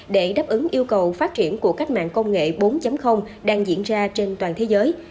để đáp ứng yêu cầu phát triển của cách mạng công nghệ bốn đang diễn ra trên toàn thế giới